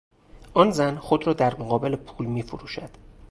آن زن خود را در مقابل پول میفروشد.